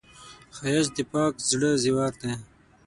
ښایست د پاک زړه زیور دی